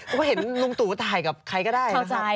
ก็เห็นลุงตู่ถ่ายกับใครก็ได้นะครับ